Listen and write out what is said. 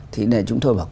thì chúng tôi bảo có